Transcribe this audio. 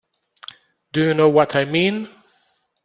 Do you know what I mean?